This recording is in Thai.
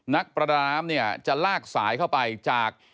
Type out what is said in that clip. นักประดาน้ำเนี่ยจะลากสายเข้าไปจาก